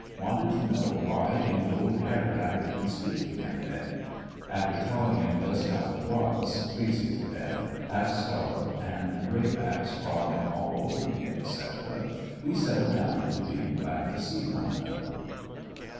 Wanted to know why in the old harry 1 didn't speak to him then. After telling him just how it was, freezing to death, half starved and gray backs crawiing all over me, &c., we sett ed down into being glad to see one another.